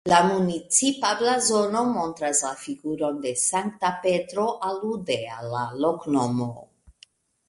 La municipa blazono montras la figuron de Sankta Petro alude al la loknomo.